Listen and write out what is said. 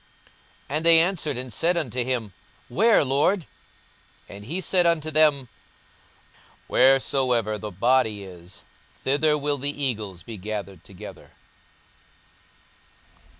42:017:037 And they answered and said unto him, Where, Lord? And he said unto them, Wheresoever the body is, thither will the eagles be gathered together.